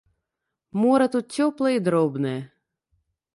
Мора тут цёплае і дробнае.